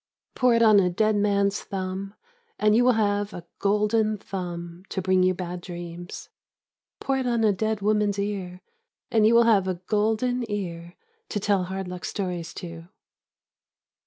Pour it on a dead man's thumb and you will have a golden thumb to bring you bad dreams. Pour it on a dead woman's ear and you will have a golden ear to tell hard luck stories to.